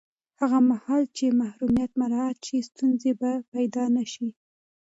هغه مهال چې محرمیت مراعت شي، ستونزې به پیدا نه شي.